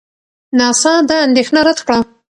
ناسا دا اندېښنه رد کړه.